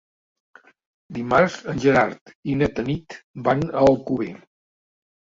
Dimarts en Gerard i na Tanit van a Alcover.